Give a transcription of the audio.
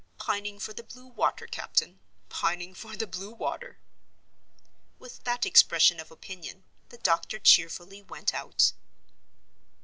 Pining for the blue water, captain—pining for the blue water!" With that expression of opinion, the doctor cheerfully went out.